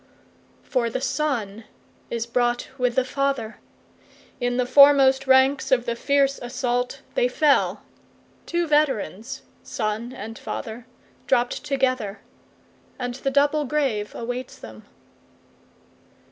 5For the son is brought with the father; In the foremost ranks of the fierce assault they fell; Two veterans, son and father, dropt together, And the double grave awaits them.